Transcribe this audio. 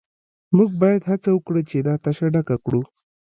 موږ باید هڅه وکړو چې دا تشه ډکه کړو